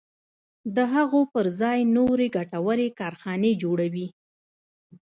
د هغو پر ځای نورې ګټورې کارخانې جوړوي.